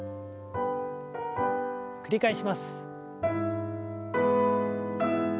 繰り返します。